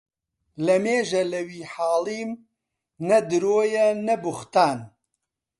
لە مێژە لە وی حاڵیم نە درۆیە نە بوختانە